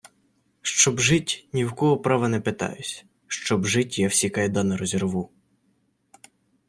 Щоб жить – ні в кого права не питаюсь, Щоб жить – я всі кайдани розірву